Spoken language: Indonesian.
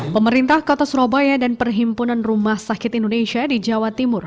pemerintah kota surabaya dan perhimpunan rumah sakit indonesia di jawa timur